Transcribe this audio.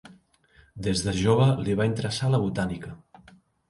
Des de jove li va interessar la botànica.